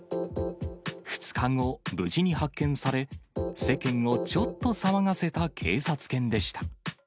２日後、無事に発見され、世間をちょっと騒がせた警察犬でした。